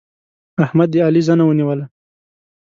احمد د علي زنه ونيوله.